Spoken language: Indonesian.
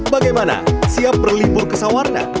bagaimana siap berlibur ke sawarna